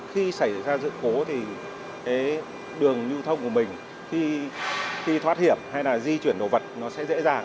khi xảy ra dựng khố thì đường lưu thông của mình khi thoát hiểm hay là di chuyển đồ vật nó sẽ dễ dàng